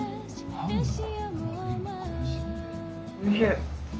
おいしい。